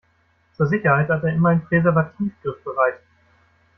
Zur Sicherheit hat er immer ein Präservativ griffbereit.